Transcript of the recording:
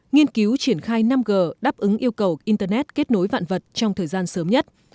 nghiên cứu triển khai năm g đáp ứng yêu cầu internet kết nối vạn vật trong thời gian sớm nhất